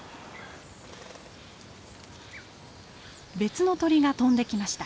別の鳥が飛んできました。